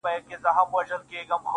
چي ستا ديدن وي پكي كور به جوړ سـي.